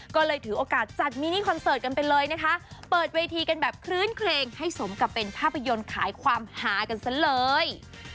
ก็เลยถือโอกาสจัดมินิคอนเสิร์ตกันไปเลยนะคะเปิดเวทีกันแบบคลื้นเครงให้สมกับเป็นภาพยนตร์ขายความหากันซะเลย